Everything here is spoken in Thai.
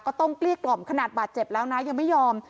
เกลี้ยกล่อมขนาดบาดเจ็บแล้วนะยังไม่ยอม